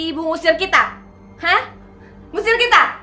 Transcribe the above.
ibu ngusir kita